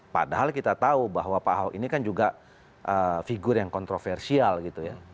padahal kita tahu bahwa pak ahok ini kan juga figur yang kontroversial gitu ya